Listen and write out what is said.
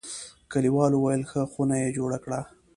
کلیوالو ویل: ښه خونه یې جوړه کړه.